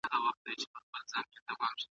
ما ته خپل کتاب وښیه.